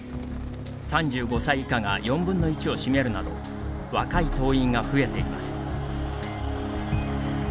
３５歳以下が４分の１を占めるなど若い党員が増えています。